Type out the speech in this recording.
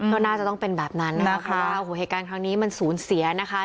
ก็น่าจะต้องเป็นแบบนั้นนะคะโอ้โหเหตุการณ์ครั้งนี้มันสูญเสียนะคะ